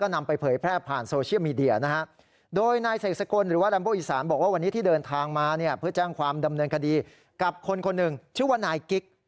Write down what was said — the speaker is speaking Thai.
คนหนึ่งชื่อว่านายกิ๊ก